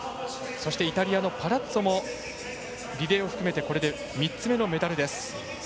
そしてイタリアのパラッツォもリレーを含めて３つ目のメダル。